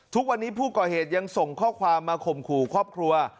ทุกวันนี้ผู้ก่อเหตุยังส่งข้อความมาข่มขู่ครอบครัว